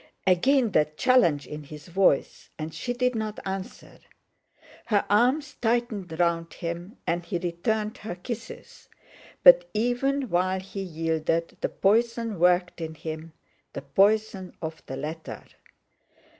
Again that challenge in his voice, and she did not answer. Her arms tightened round him, and he returned her kisses; but even while he yielded, the poison worked in him, the poison of the letter.